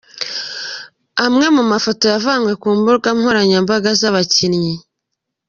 Amwe mu mafoto yavanywe ku mbuga nkoranyambaga z'aba bakinnyi.